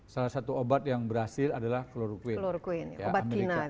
salah satu obat yang berhasil adalah kloroquine amerika